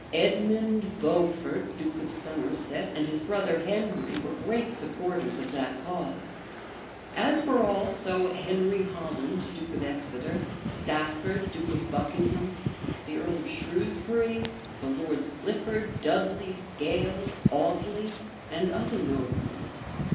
Edmund Beaufort, duke of Somerset, and his brother Henry, were great supports of that cause; as were also Henry Holland duke of Exeter, Stafford, duke of Buckingham, the earl of Shrewsbury, the Lords Clifford, Dudley, Scales, Audley, and other noblemen.